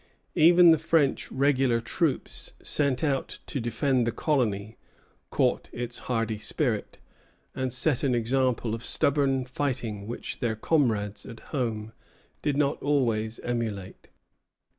Even the French regular troops, sent out to defend the colony, caught its hardy spirit, and set an example of stubborn fighting which their comrades at home did not always emulate.